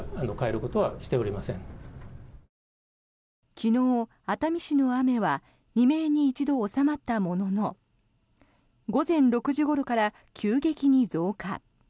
昨日、熱海市の雨は未明に一度収まったものの午前６時ごろから急激に増加。